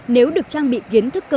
nếu được trang bị kiến thức cấp cứu